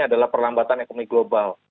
adalah perlambatan ekonomi global